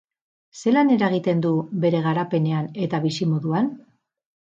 Zelan eragiten du bere garapenean eta bizimoduan?